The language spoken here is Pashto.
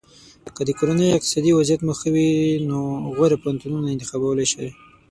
که د کورنۍ اقتصادي وضعیت مو ښه وي نو غوره پوهنتونونه انتخابولی شی.